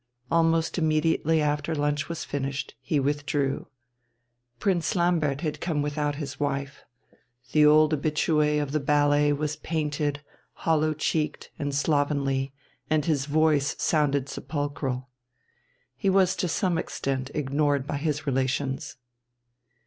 Almost immediately after lunch was finished he withdrew. Prince Lambert had come without his wife. The old habitué of the ballet was painted, hollow cheeked, and slovenly, and his voice sounded sepulchral. He was to some extent ignored by his relations.